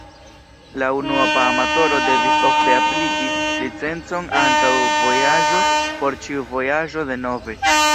La unuopa amatoro devis ofte apliki licencon antaŭ vojaĝo, por ĉiu vojaĝo denove.